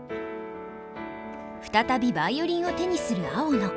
再びヴァイオリンを手にする青野。